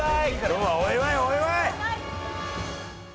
今日はお祝いお祝い！